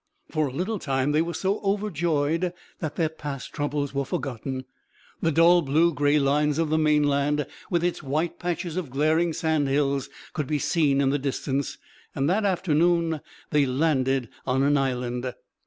For a little time they were so overjoyed that their past troubles were forgotten. The dull blue gray lines of the mainland, with its white patches of glaring sandhills, could be seen in the distance, and that afternoon they landed on an island.